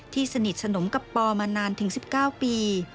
สนิทสนมกับปอมานานถึง๑๙ปี